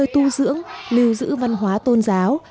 tu dưỡng lưu giữ văn hóa tôn giáo